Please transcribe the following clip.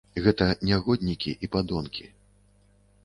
Гэта нягоднікі і падонкі.